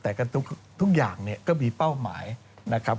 แต่กันทุกอย่างเนี่ยก็มีเป้าหมายนะครับ